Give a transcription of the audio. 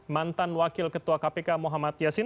mantan wakil ketua kpk muhammad yasin